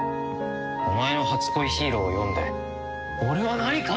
お前の『初恋ヒーロー』を読んで俺は何かを感じた！